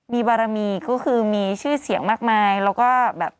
มีบารมีก็คือมีชื่อเสียงมากมายแล้วก็แบบ